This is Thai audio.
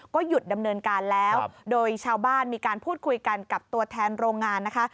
ก็หยุดดำเนินการแล้วโดยชาวบ้านมีการพูดคุยกันกับตัวแทนโรงงานนะคะ